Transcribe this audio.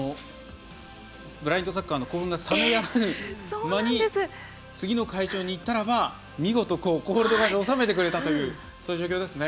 ブラインドサッカーの興奮が冷めやらない間に次の会場にいったらば見事コールド勝ちを収めてくれたという状況です。